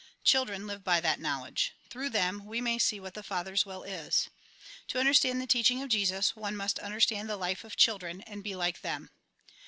Children live by that knowledge ; through them we may see what the Father's will is. To understand the teachmg of Jesus, one must understand the life of children, and be like them.